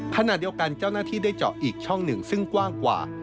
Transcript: ขณะเดียวกันเจ้าหน้าที่ได้เจาะอีกช่องหนึ่งซึ่งกว้างกว่า